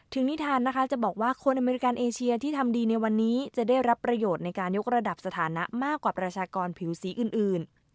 นิทานนะคะจะบอกว่าคนอเมริกันเอเชียที่ทำดีในวันนี้จะได้รับประโยชน์ในการยกระดับสถานะมากกว่าประชากรผิวสีอื่น